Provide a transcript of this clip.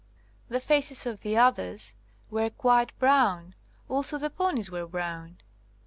The faces of the others were quite brown, also the ponies were brown.